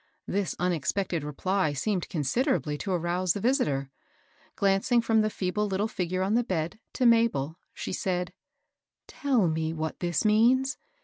This unexpected reply seemed ccmsiderably to arouse the visitor. Glancing from the feeble little figure on the bed to Mabel, she said :—*^ Tell me what this means